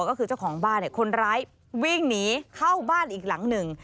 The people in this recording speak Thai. ก็คือเจ้าของบ้านคนร้ายวิ่งหนีเข้าบ้านอีกหลังหนึ่ง